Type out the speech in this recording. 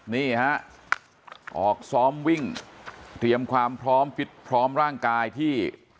นี่ฮะออกซ้อมวิ่งเตรียมความพร้อมฟิตพร้อมร่างกายที่